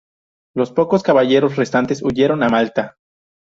Los pocos caballeros restantes huyeron a Malta.